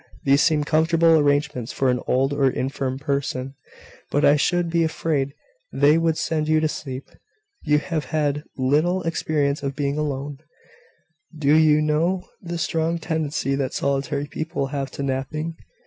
"These seem comfortable arrangements for an old or infirm person; but I should be afraid they would send you to sleep. You have had little experience of being alone: do you know the strong tendency that solitary people have to napping?"